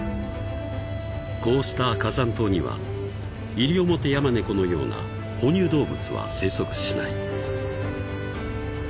［こうした火山島にはイリオモテヤマネコのような哺乳動物は生息しない］